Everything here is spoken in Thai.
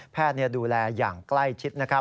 แพทย์ดูแลอย่างใกล้ชิด